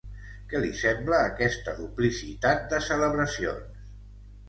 Què li sembla aquesta duplicitat de celebracions?